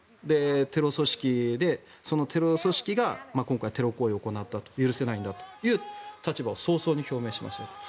テロ組織でそのテロ組織が今回、テロ行為を行った許せないんだという立場を早々に表明しましたと。